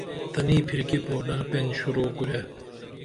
تنی پھرکی پوڈر پین شروع کُرے